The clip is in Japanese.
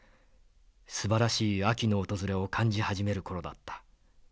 すばらしい秋の訪れを感じ始める頃だった。